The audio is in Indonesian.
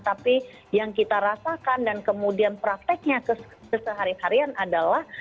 tapi yang kita rasakan dan kemudian prakteknya kesehari harian adalah